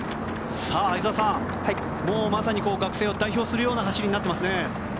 相澤さん、もうまさに学生を代表するような走りになっていますね。